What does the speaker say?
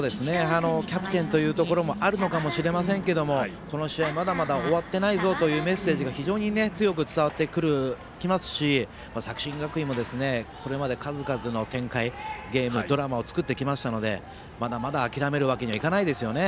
キャプテンというところもあるのかもしれませんけれどもこの試合まだまだ終わってないぞというメッセージが非常に強く伝わってきますし作新学院もこれまで数々の展開ドラマを作ってきましたのでまだまだ諦めるわけにはいかないですね。